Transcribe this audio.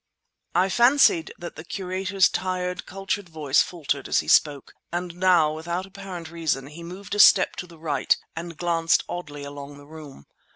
I fancied that the curator's tired cultured voice faltered as he spoke; and now, without apparent reason, he moved a step to the right and glanced oddly along the room.